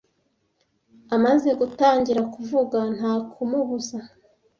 Amaze gutangira kuvuga, nta kumubuza